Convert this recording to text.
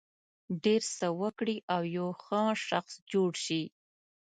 ډېر څه وکړي او یو ښه شخص جوړ شي.